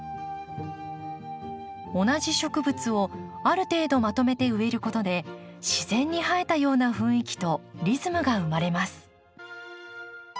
同じ植物をある程度まとめて植えることで自然に生えたような雰囲気とリズムが生まれます。